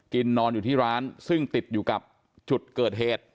นอนอยู่ที่ร้านซึ่งติดอยู่กับจุดเกิดเหตุ